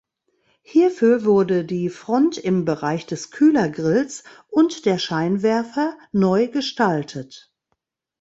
Hierfür wurde die Front im Bereich des Kühlergrills und der Scheinwerfer neu gestaltet.